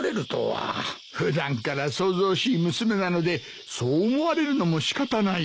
普段から騒々しい娘なのでそう思われるのも仕方ないかと。